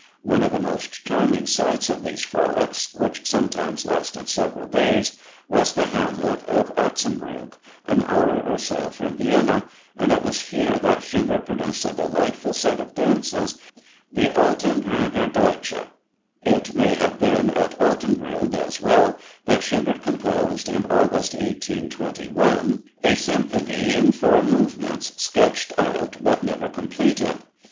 One of the most charming sites of these frolics (which sometimes lasted several days) was the hamlet of Atzenbrugg, an hour or so from Vienna, and it was here that Schubert produced a delightful set of dances, the Atzenbrugger Deutsche. It may have been at Atzenbrugg, as well, that Schubert composed in August, 1821, a symphony in four movements, sketched out but never completed.